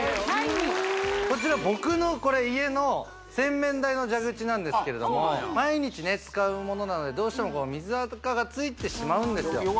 こちら僕のこれ家の洗面台の蛇口なんですけれども毎日ね使うものなのでどうしてもこの水アカがついてしまうんですよ